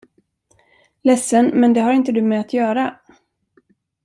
Ledsen, men det har inte du med att göra.